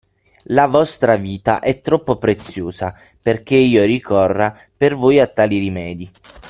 La vostra vita è troppo preziosa, perché io ricorra per voi a tali rimedi.